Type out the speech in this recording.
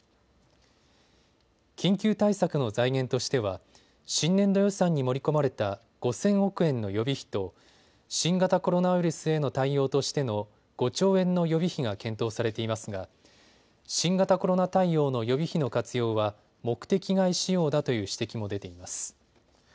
緊急対策の財源としては新年度予算に盛り込まれた５０００億円の予備費と新型コロナウイルスへの対応としての５兆円の予備費が検討されていますが新型コロナ対応の予備費の活用は目的外使用だという指摘も出ています。